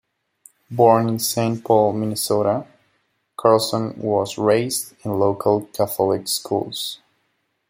Born in Saint Paul, Minnesota, Carlson was raised in local Catholic schools.